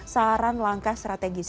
saran langkah strategis